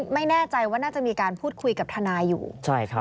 ไม่แน่ใจว่าน่าจะมีการพูดคุยกับธนายอยู่ด้วยหรือเปล่า